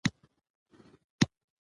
ماشوم د ښوونکي لارښوونې عملي کړې